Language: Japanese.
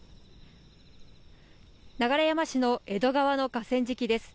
流山市の江戸川の河川敷です。